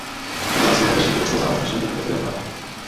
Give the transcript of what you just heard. Jeho zásluhou vešly v obecnou známost myšlenky a kresby Raffaela.